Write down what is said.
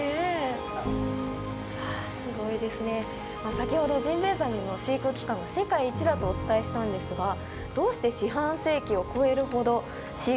先ほどジンベエザメの飼育期間が世界一だとお伝えしたんですがどうして四半世紀を超えるほど飼育することができるのか。